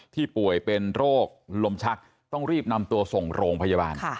ป่วยเป็นโรคลมชักต้องรีบนำตัวส่งโรงพยาบาล